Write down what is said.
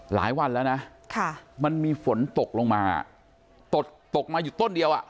หลายวันแล้วนะค่ะมันมีฝนตกลงมาตกตกมาอยู่ต้นเดียวอ่ะ